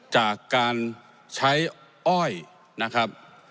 จากการใช้อ้อยนะครับ